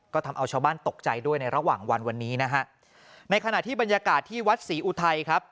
ก็ทำเอาชาวบ้านตกใจด้วยในระหว่างวันวันนี้นะฮะในขณะที่บรรยากาศที่วัดศรีอุทัยครับ